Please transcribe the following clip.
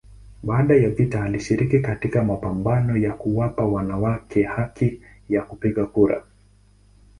Baada ya vita alishiriki katika mapambano ya kuwapa wanawake haki ya kupiga kura.